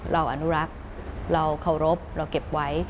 เราอนุรักษ์เราเคารพเราเก็บไว้